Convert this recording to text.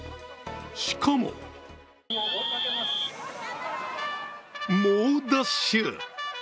しかも猛ダッシュ！